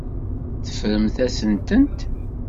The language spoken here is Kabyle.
Teffremt-asen-tent.